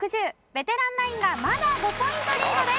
ベテランナインがまだ５ポイントリードです。